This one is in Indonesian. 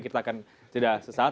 kita akan tidak sesaat